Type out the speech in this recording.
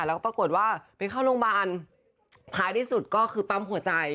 แล้วก็ปรากฏว่าไปเข้าโรงพยาบาลท้ายที่สุดก็คือปั๊มหัวใจ